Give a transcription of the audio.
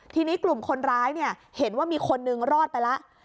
ทีนี้กลุ่มคนร้ายเนี่ยเห็นว่ามีคนนึงรอดไปแล้ว